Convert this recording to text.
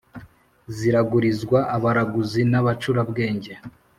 ziragurizwa abaraguzi n abacurabwenge